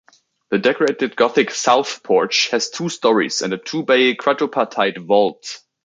The Decorated Gothic south porch has two storeys and a two-bay quadripartite vault.